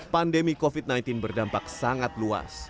pandemi covid sembilan belas berdampak sangat luas